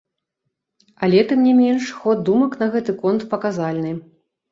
Але тым не менш, ход думак на гэты конт паказальны.